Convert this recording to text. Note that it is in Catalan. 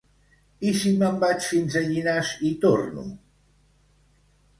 I si me'n vaig fins a Llinars i torno?